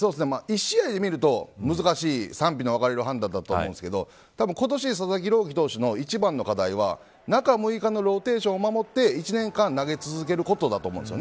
１試合で見ると賛否の分かれる判断だと思いますが今年、佐々木朗希投手の一番の課題は中６日のローテーションを守って１年間投げ続けることだと思うんです。